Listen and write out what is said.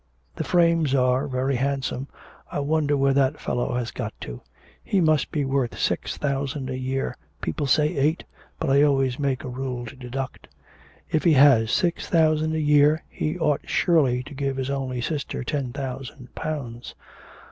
The frames are very handsome, I wonder where that fellow has got to.... He must be worth six thousand a year, people say eight, but I always make a rule to deduct. If he has six thousand a year, he ought surely to give his only sister ten thousand pounds.